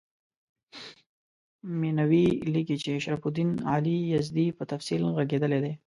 مینوي لیکي چې شرف الدین علي یزدي په تفصیل ږغېدلی دی.